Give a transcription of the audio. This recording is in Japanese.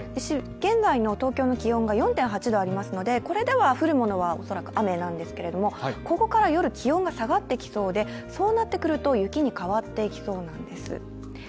現在の東京の気温が４．８度ありますので、これでは降るものは恐らく雨なんですけれども、ここから夜、気温が下がってきそうで、そうなってくると雪に変わっていきそうなんです。